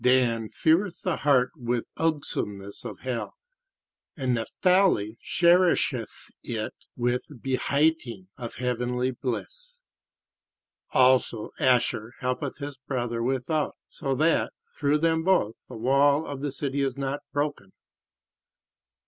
Dan feareth the heart with ugsomeness of hell, and Naphtali cherisheth it with behighting of heavenly bliss. Also Asher helpeth his brother without, so that, through them both, the wall of the city is not broken.